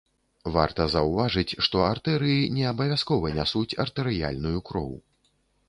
Варта заўважыць, што артэрыі не абавязкова нясуць артэрыяльную кроў.